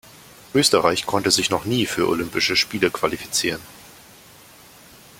Österreich konnte sich noch nie für Olympische Spiele qualifizieren.